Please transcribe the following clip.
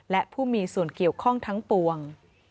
และผู้มีส่วนเกี่ยวข้องทั้งปวง